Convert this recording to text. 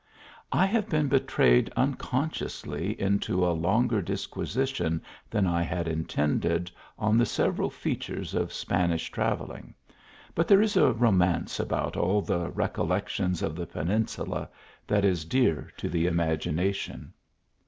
I have been betrayed unconsciously into a longer disquisition than I had intended on the several fea tures of Spanish travelling ; but there is a romance about all the recollections of the Peninsula that is dear to the imagination.